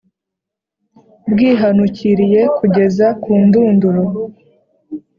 bwihanukiriye kugeza ku ndunduro,